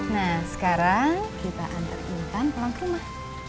nah sekarang kita anter intan pulang ke rumah